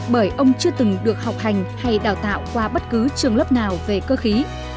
bởi ông chưa từng được học hành hay đào tạo qua bất cứ trường lớp nào về cơ khí